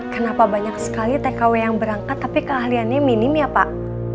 kenapa banyak sekali tkw yang berangkat tapi keahliannya minim ya pak